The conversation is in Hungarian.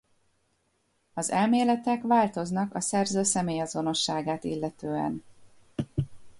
Az elméletek változnak a szerző személyazonosságát illetően.